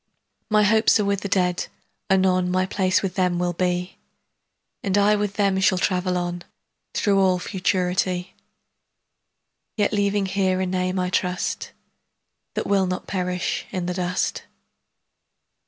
My hopes are with the Dead; anon My place with them will be, 20 And I with them shall travel on Through all Futurity; Yet leaving here a name, I trust, That will not perish in the dust.